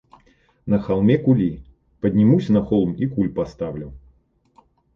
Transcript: На холме кули, поднимусь на холм и куль поставлю.